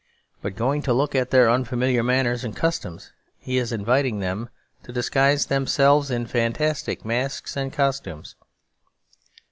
By going to look at their unfamiliar manners and customs he is inviting them to disguise themselves in fantastic masks and costumes.